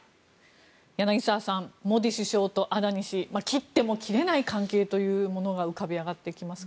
柳澤さんモディ首相とアダニ氏は切っても切れない関係というものが浮かび上がってきますが。